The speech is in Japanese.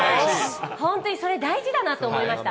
それ大事だなと思いました。